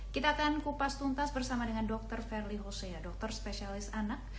kita akan kupas tuntas bersama dengan dr verly hoseya dokter spesialis anak